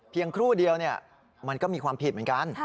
ครู่เดียวมันก็มีความผิดเหมือนกัน